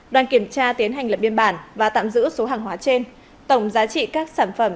đoàn kiểm tra tiến hành lập biên bản và tạm giữ số hàng hóa trên tổng giá trị các sản phẩm